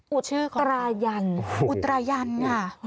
อุตชื่อของอุตรายันอุตรายันอ่ะ